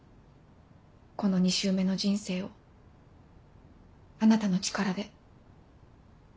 この２周目の人生をあなたの力で。